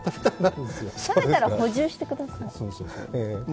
食べたら補充してください。